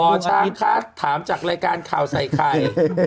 หมอช้างคะถามจากรายการข่าวใส่ไข่